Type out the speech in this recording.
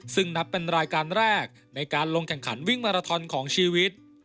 ซึ่งนับเป็นรายการแรกในการลงแข่งขันวิ่งมาราทอนของชีวิต